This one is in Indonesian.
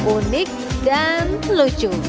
unik dan lucu